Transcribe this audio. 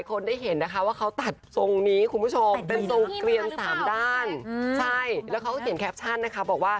คือตั้งแต่รู้จัก